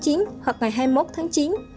hoặc ngày hai mươi một tháng chín